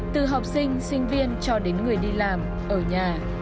từ học sinh sinh viên cho đến người đi làm ở nhà